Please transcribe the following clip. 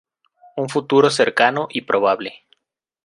Un futuro cercano y probable.